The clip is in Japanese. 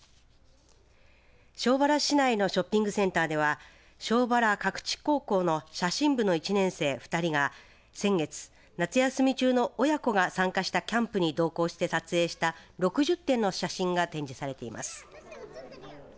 庄原市内のショッピングセンターでは庄原格致高校の写真部の１年生２人が先月、夏休み中の親子が参加したキャンプに同行して撮影した６０点の写真が展示されています。